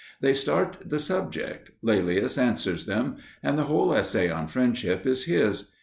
They start the subject; Laelius answers them. And the whole essay on friendship is his.